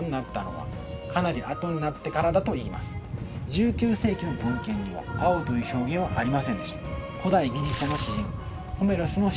１９世紀の文献には青という表現はありませんでした。